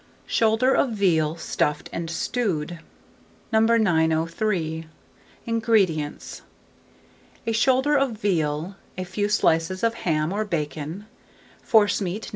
SHOULDER OF VEAL, Stuffed and Stewed. 903. INGREDIENTS. A shoulder of veal, a few slices of ham or bacon, forcemeat No.